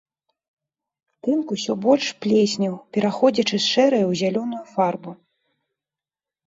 Тынк усё больш плеснеў, пераходзячы з шэрае ў зялёную фарбу.